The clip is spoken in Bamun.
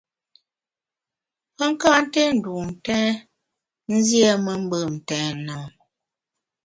Pe ka nté ndun ntèn, nziéme mbùm ntèn e ?